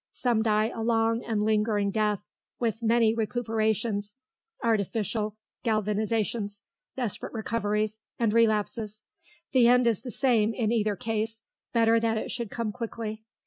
Some die a long and lingering death, with many recuperations, artificial galvanisations, desperate recoveries, and relapses. The end is the same in either case; better that it should come quickly.